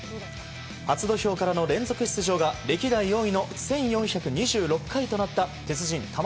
初土俵からの連続出場が歴代４位の１４２６回となった鉄人、玉鷲。